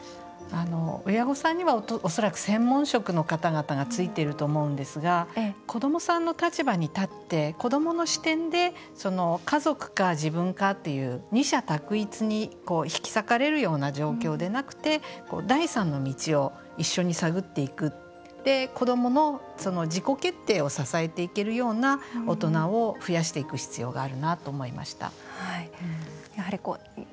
親御さんには恐らく専門職の方がついていると思うんですが子どもの立場に立って子どもの視点で家族か自分かっていう二者択一に引き裂かれるような状況ではなくて第三の道を一緒に探っていって子どもの自己決定を支えていけるような大人を増やしていく必要があるなと思いました。